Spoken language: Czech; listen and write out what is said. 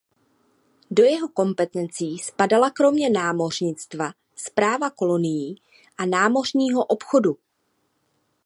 Do jeho kompetencí spadala kromě námořnictva správa kolonií a námořního obchodu.